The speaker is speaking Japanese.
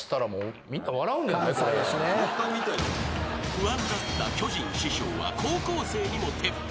［不安だった巨人師匠は高校生にも鉄板］